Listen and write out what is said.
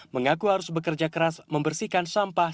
mengaku harus bekerja keras membersihkan sampah